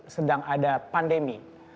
sedang ada pandemi